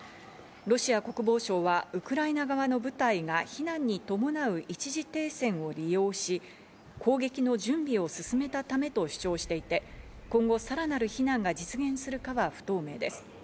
ロシア国防省はウクライナ側の部隊が避難に伴う一時停戦を利用し、攻撃の準備を進めたためと主張していて、今後さらなる避難が実現するかは不透明です。